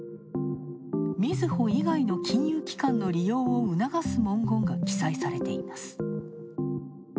みずほ以外の金融機関の利用を促す文言が記載されています。